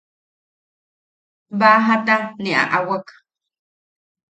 Baajata ne aʼawak.